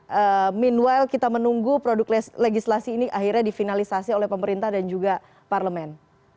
sementara kita menunggu produk legislasi ini akhirnya difinalisasi oleh pemerintah dan juga parlemen